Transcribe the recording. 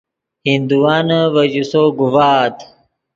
ہندوانے ڤے جوسو گوڤآت